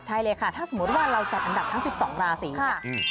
ใช่เลยค่ะถ้าสมมุติว่าเราจัดอันดับทั้ง๑๒ราศีเนี่ย